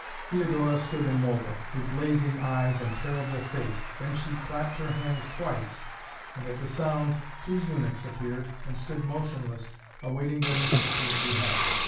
Theodora stood immobile, with blazing eyes and terrible face, then she clapped her hands twice and at the sound two eunuchs appeared and stood motionless awaiting their mistress' behest.